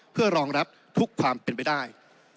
เพื่อรองรับทุกความเป็นไปได้